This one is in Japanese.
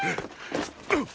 あっ！